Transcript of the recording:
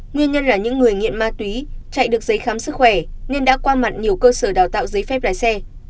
nguyên nhân là những người nghiện ma túy chạy được giấy khám sức khỏe nên đã qua mặt nhiều cơ sở đào tạo giấy phép lái xe